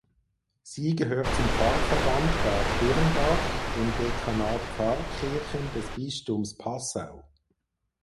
Sie gehört zum Pfarrverband Bad Birnbach im Dekanat Pfarrkirchen des Bistums Passau.